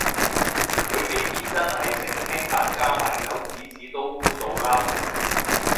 佢未必真係識聽但加埋手指指都估到啦